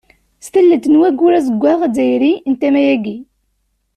S tallelt n Waggur azeggaɣ azzayri n tama-agi.